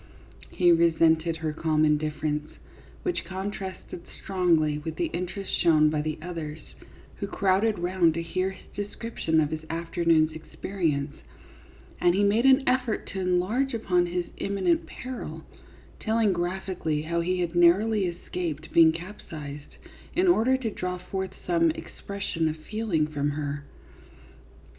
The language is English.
He resented her calm indifference, which contrasted strongly with the interest shown by the others, who crowded round to hear his description of his afternoon's experience, and he made an effort to enlarge upon his imminent peril, telling graphically how he had narrowly escaped being capsized, in order to draw forth some expression of feeling from her.